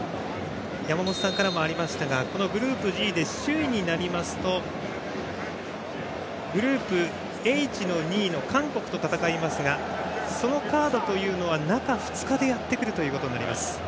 山本さんからもありましたがこのグループＧで首位になりますとグループＨの２位、韓国と戦いますがそのカードは中２日でやってくることになります。